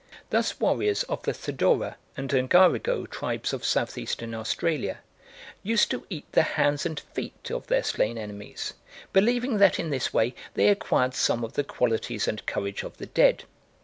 Thus warriors of the Theddora and Ngarigo tribes of South Eastern Australia used to eat the hands and feet of their slain enemies, believing that in this way they acquired some of the qualities and courage of the dead.